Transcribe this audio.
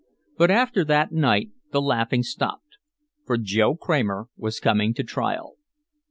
But after that night the laughing stopped. For Joe Kramer was coming to trial.